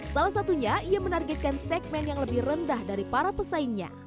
salah satunya ia menargetkan segmen yang lebih rendah dari para pesaingnya